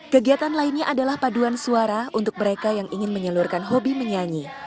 kegiatan lainnya adalah paduan suara untuk mereka yang ingin menyalurkan hobi menyanyi